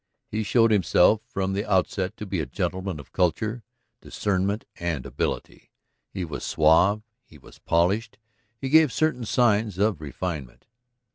He showed himself from the outset to be a gentleman of culture, discernment, and ability. He was suave, he was polished, he gave certain signs of refinement.